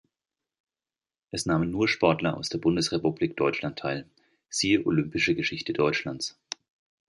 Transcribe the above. Es nahmen nur Sportler aus der Bundesrepublik Deutschland teil; siehe Olympische Geschichte Deutschlands.